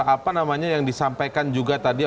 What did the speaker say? apa namanya yang disampaikan juga tadi